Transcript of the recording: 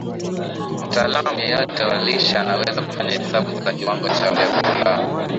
mtaalamu yeyote wa lishe anaweza kufanya hesabu za kiwango cha vyakula